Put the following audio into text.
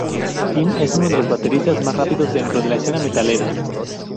Tim es un de los bateristas más rápidos dentro de la escena metalera.